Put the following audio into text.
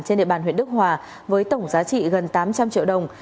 trên địa bàn huyện đức hòa với tổng giá trị gần tám trăm linh triệu đồng